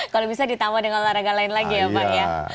kalau bisa ditambah dengan olahraga lain lagi ya pak ya